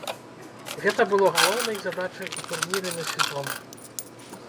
Гэта было галоўнай задачай у турніры на сезон.